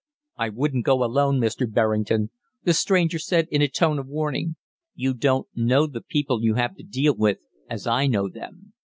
"I wouldn't go alone, Mr. Berrington," the stranger said in a tone of warning. "You don't know the people you have to deal with as I know them.